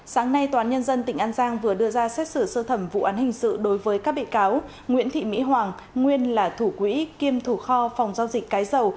sáng nay tòa án nhân dân tỉnh an giang vừa đưa ra xét xử sơ thẩm vụ án hình sự đối với các bị cáo nguyễn thị mỹ hoàng nguyên là thủ quỹ kiêm thủ kho phòng giao dịch cái dầu